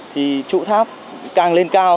thì trụ tháp càng lên cao